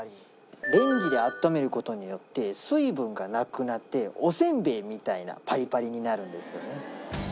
レンジで温める事によって水分がなくなっておせんべいみたいなパリパリになるんですよね。